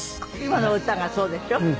今の歌がそうでしょ？